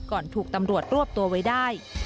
ถูกตำรวจรวบตัวไว้ได้